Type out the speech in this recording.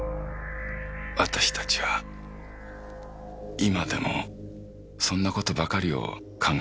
私たちは今でもそんな事ばかりを考えているんです。